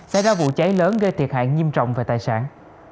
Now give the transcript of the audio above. xảy ra vụ cháy lớn gây thiệt hại nghiêm trọng về tài sản